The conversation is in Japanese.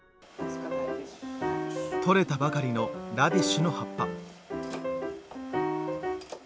とれたばかりのラディッシュの葉っぱ。